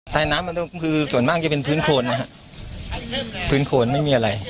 น้ำมันก็คือส่วนมากจะเป็นพื้นโคนนะฮะพื้นโคนไม่มีอะไร